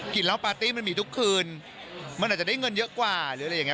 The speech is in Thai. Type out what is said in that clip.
เล่าปาร์ตี้มันมีทุกคืนมันอาจจะได้เงินเยอะกว่าหรืออะไรอย่างนี้